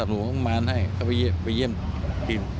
ก็สมาคมก็สั่งงงงงมานให้เค้าไปเยี่ยมที